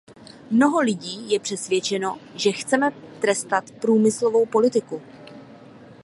Mnoho lidí je přesvědčeno, že chceme trestat průmyslovou politiku.